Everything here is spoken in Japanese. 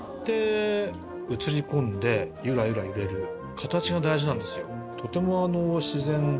形が大事なんですよ。